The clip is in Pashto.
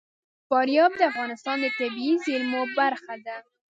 فاریاب د افغانستان د طبیعي زیرمو برخه ده.